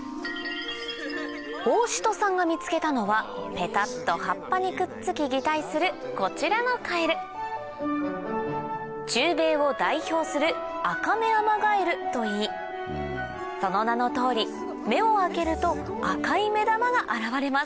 法師人さんが見つけたのはペタっと葉っぱにくっつき擬態するこちらのカエル中米を代表するその名の通り目を開けると赤い目玉が現れます